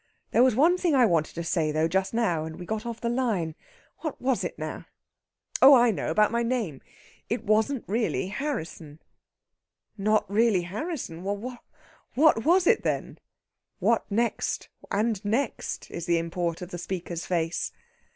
There was one thing I wanted to say though just now, and we got off the line what was it now? Oh, I know, about my name. It wasn't really Harrisson." "Not really Harrisson? What was it then?" What next, and next? is the import of the speaker's face.